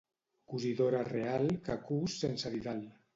Cosidora real, que cus sense didal.